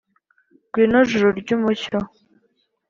Ngwino juru ry’umucyo